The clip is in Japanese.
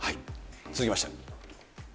続きまして。